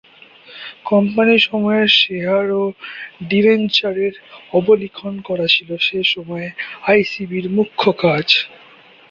কোম্পানিসমূহের share ও ডিবেঞ্চারের অবলিখন করা ছিল সে সময়ে আইসিবি-র মুখ্য কাজ।